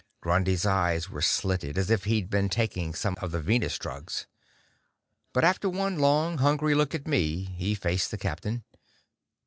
Grundy's eyes were slitted, as if he'd been taking some of the Venus drugs. But after one long, hungry look at me, he faced the captain.